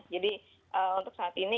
jadi untuk saat ini